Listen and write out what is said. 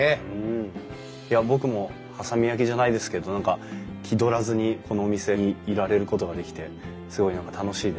いや僕も波佐見焼じゃないですけど何か気取らずにこのお店にいられることができてすごい何か楽しいです。